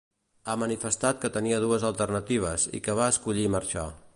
Ha manifestat que tenia dues alternatives i que va escollir marxar.